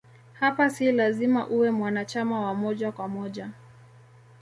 Hapa si lazima uwe mwanachama wa moja kwa moja